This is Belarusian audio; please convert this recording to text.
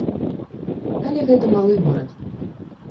Але гэта малы горад.